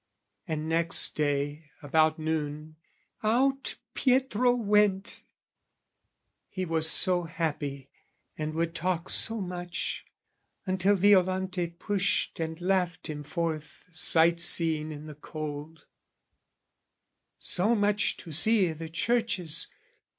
And, next day, about noon, out Pietro went He was so happy and would talk so much, Until Violante pushed and laughed him forth Sight seeing in the cold, "So much to see "I' the churches!